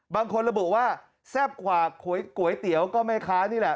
บางคนระบุว่าแซ่บกว่าก๋วยเตี๋ยวก็แม่ค้านี่แหละ